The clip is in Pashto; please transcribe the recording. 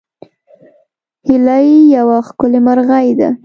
هیلۍ یوه ښکلې مرغۍ ده